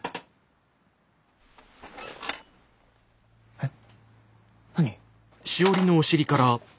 えっ何？